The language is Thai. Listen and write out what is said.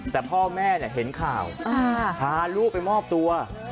แต่พ่อแม่เห็นข่าวพาลูกไปมอบตัว